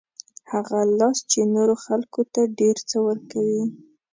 هغه لاس چې نورو خلکو ته ډېر څه ورکوي.